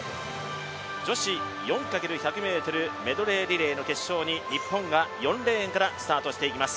女子４×１００ｍメドレーリレーの決勝に日本が４レーンからスタートしていきます。